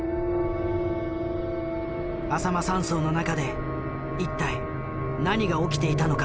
あさま山荘の中で一体何が起きていたのか？